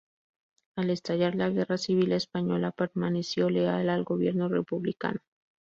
Al estallar la Guerra Civil Española permaneció leal al gobierno republicano.